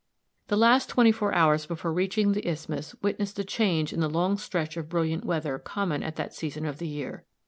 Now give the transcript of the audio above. The last twenty four hours before reaching the isthmus witnessed a change in the long stretch of brilliant weather common at that season of the year.